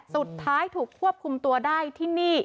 สุดท้ายถูกควบคุมตัวได้ที่นี่